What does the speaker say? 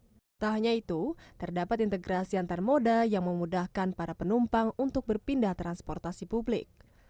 tidak hanya itu terdapat integrasi antar moda yang memudahkan para penumpang untuk berpindah transportasi publik